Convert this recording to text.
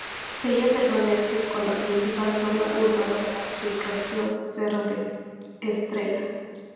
Seia permanece com la principal zona urbana de la subregión Serra da Estrela.